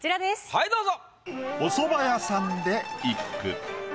はいどうぞ。